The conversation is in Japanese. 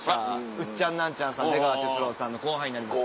ウッチャンナンチャンさん出川哲朗さんの後輩になります。